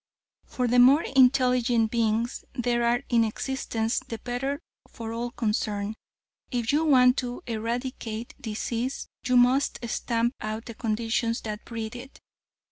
For the more intelligent beings there are in existence, the better for all concerned. If you want to eradicate disease, you must stamp out the conditions that breed it.